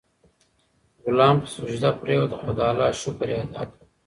غلام په سجده پریووت او د الله شکر یې ادا کړ.